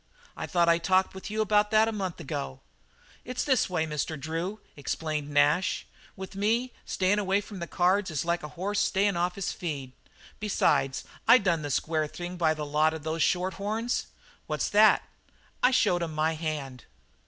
I thought I talked with you about that a month ago?" "It's this way, Mr. Drew," explained Nash, "with me stayin' away from the cards is like a horse stayin' off its feed. Besides, I done the square thing by the lot of those short horns." "How's that?" "I showed 'em my hand."